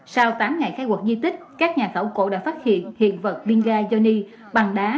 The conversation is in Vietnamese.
sau tám ngày khai quật di tích các nhà khảo cổ đã phát hiện hiện vật binh ga yoni bằng đá